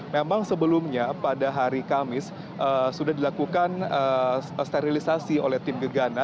memang sebelumnya pada hari kamis sudah dilakukan sterilisasi oleh tim gegana